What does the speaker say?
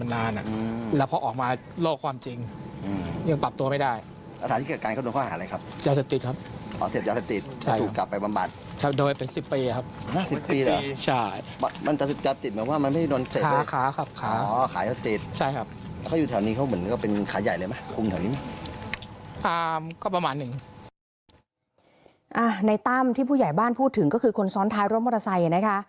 ในตั้มที่ผู้ใหญ่บ้านพูดถึงก็คือคนซ้อนท้ายรถมอเตอร์ไซค์นะคะ